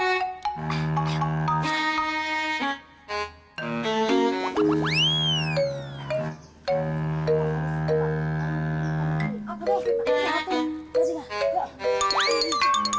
exemplarmu para kenyaker kita ini